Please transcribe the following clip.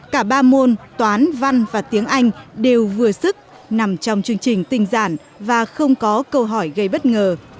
cả ba môn toán văn và tiếng anh đều vừa sức nằm trong chương trình tinh giản và không có câu hỏi gây bất ngờ